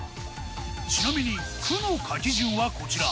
ちなみに「区」の書き順はこちら。